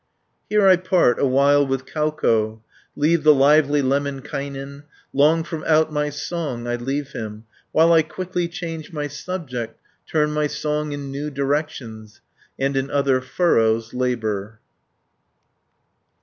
Here I part awhile with Kauko, Leave the lively Lemminkainen, Long from out my song I leave him, While I quickly change my subject, Turn my song in new directions, And in other furrows labour.